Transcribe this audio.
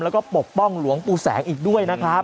แล้วก็ปกป้องหลวงปู่แสงอีกด้วยนะครับ